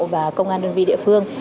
và công an đơn vị địa phương